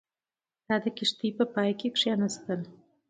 دا د کښتۍ په پای کې کښېناستله.